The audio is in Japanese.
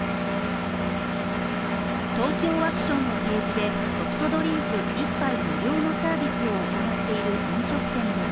ＴＯＫＹＯワクションの提示でソフトドリンク１杯無料のサービスを行っている飲食店では